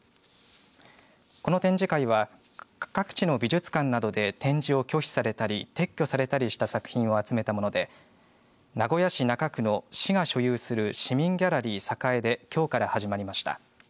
この展示会は各地の美術館などで展示を拒否されたり撤去されたりした作品を集めたもので名古屋市中区の市が所有する市民ギャラリー栄できょうから始まりました。